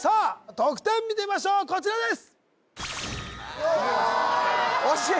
得点を見てみましょうこちらです惜しい！